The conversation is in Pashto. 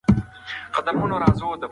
يو لوی قيامت د پاڼې رنګ ژېړ کړ.